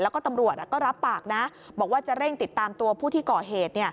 แล้วก็ตำรวจก็รับปากนะบอกว่าจะเร่งติดตามตัวผู้ที่ก่อเหตุ